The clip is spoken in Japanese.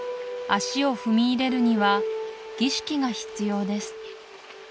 足を踏み入れるには儀式が必要です